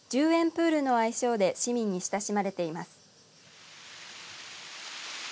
プールの愛称で市民に親しまれています。